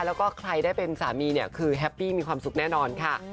แล้วก็ใครได้เป็นสามีเนี่ยคือแฮปปี้มีความสุขแน่นอนค่ะ